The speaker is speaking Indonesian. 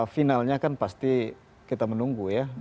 finalnya kan pasti kita menunggu ya